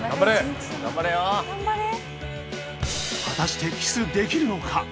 果たしてキスできるのか？